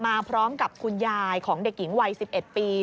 มาพร้อมกับคุณยายของเด็กหญิงวัย๑๑ปี